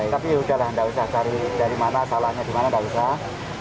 tapi yaudahlah nggak usah cari dari mana salahnya di mana nggak usah